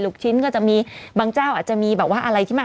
ลูกชิ้นก็จะมีบางเจ้าอาจจะมีแบบว่าอะไรที่มา